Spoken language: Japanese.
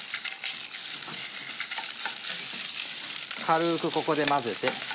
軽くここで混ぜて。